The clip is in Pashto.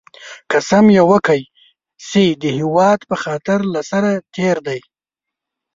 قسم یې وکی چې د هېواد په خاطر له سره تېر دی